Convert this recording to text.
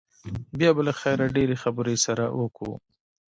بيا به له خيره ډېرې خبرې سره وکو.